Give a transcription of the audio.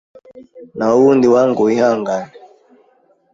Naho ubundi wangu wihangane